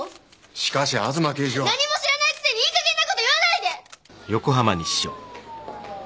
しかし東刑事は何も知らないくせにいいかげんなこと言わないで！